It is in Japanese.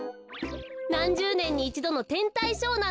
なんじゅうねんにいちどのてんたいショーなんですよ。